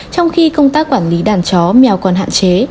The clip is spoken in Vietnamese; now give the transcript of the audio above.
trong khi công tác quản lý đàn chó mèo còn hạn chế